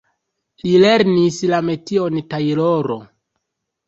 Li lernis la metion tajloro.